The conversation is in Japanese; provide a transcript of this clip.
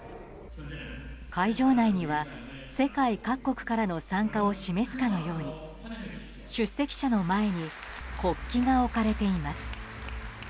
会場内には世界各国からの参加を示すかのように出席者の前に国旗が置かれています。